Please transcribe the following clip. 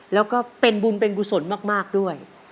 แล้วก็เป็นบุญเป็นกุศลมากด้วย